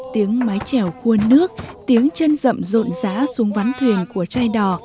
tiếng mái chèo cua nước tiếng chân rậm rộn rá xuống vắn thuyền của chai đò